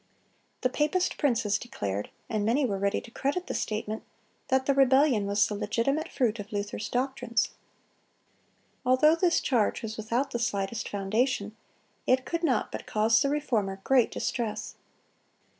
The papist princes declared—and many were ready to credit the statement—that the rebellion was the legitimate fruit of Luther's doctrines. Although this charge was without the slightest foundation, it could not but cause the Reformer great distress.